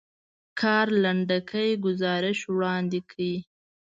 کار لنډکی ګزارش وړاندې کړ.